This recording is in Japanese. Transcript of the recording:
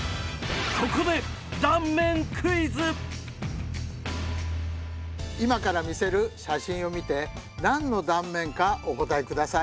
ここで今から見せる写真を見て何の断面かお答え下さい。